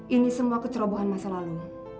ini semua kecerobohan masa lalu